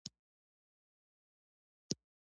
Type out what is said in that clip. د لوی او بښوونکي څښتن په نامه.